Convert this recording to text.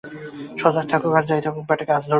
সজাগ থাকুক আর যা-ই থাকুক, ব্যাটাকে আজ ধরবই।